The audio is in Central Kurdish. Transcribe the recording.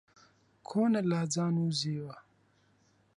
کۆنە لاجان و زێوە